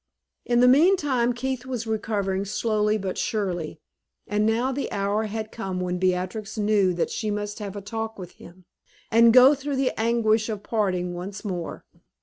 In the meantime, Keith was recovering slowly but surely. And now the hour had come when Beatrix knew that she must have a talk with him, and go through the anguish of parting once more.